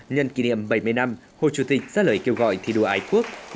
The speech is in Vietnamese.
nhân kỷ niệm bảy mươi năm hồ chí minh ra lời kêu gọi thi đua ánh quốc